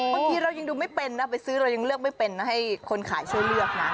บางทีเรายังดูไม่เป็นนะไปซื้อเรายังเลือกไม่เป็นนะให้คนขายช่วยเลือกนะ